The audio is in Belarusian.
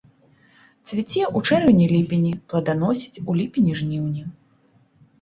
Цвіце ў чэрвені-ліпені, пладаносіць у ліпені-жніўні.